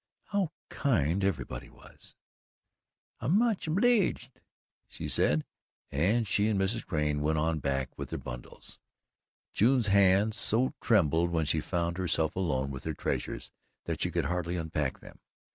How kind everybody was! "I'm much obleeged," she said, and she and Mrs. Crane went on back with their bundles. June's hands so trembled when she found herself alone with her treasures that she could hardly unpack them.